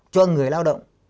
cho người lao động